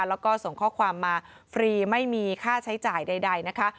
แล้วก็ส่งข้อความมาฟรีไม่มีค่าใช้จ่ายใดนะคะ